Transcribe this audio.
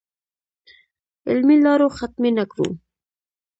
علمي لارو ختمې نه کړو.